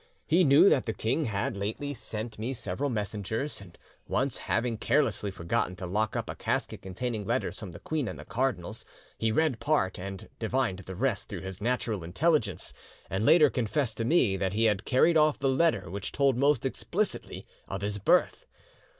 He knew that the king had lately sent me several messengers, and once having carelessly forgotten to lock up a casket containing letters from the queen and the cardinals, he read part and divined the rest through his natural intelligence; and later confessed to me that he had carried off the letter which told most explicitly of his birth.